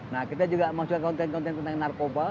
nah kita juga masukkan konten konten tentang narkoba